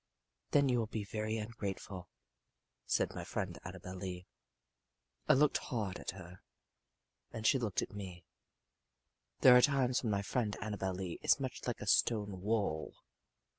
"Then you will be very ungrateful," said my friend Annabel Lee. I looked hard at her and she looked back at me. There are times when my friend Annabel Lee is much like a stone wall.